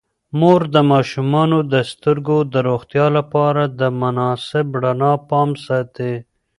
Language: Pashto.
مور د ماشومانو د سترګو د روغتیا لپاره د مناسب رڼا پام ساتي.